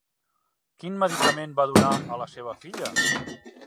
Quin medicament va donar a la seva filla?